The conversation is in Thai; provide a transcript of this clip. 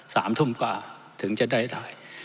สามทุ่มกว่าถึงจะได้ถ่าย